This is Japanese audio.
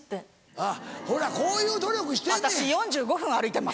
あっほらこういう努力してんねん。